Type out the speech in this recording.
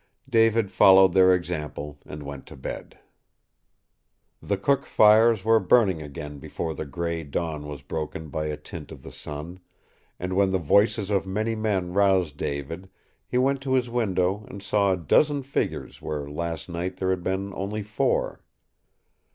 David followed their example and went to bed. The cook fires were burning again before the gray dawn was broken by a tint of the sun, and when the voices of many men roused David, he went to his window and saw a dozen figures where last night there had been only four.